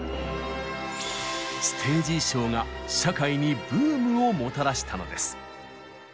ステージ衣装が社会にブームをもたらしたのです。